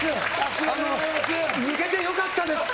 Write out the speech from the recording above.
あの、抜けてよかったです！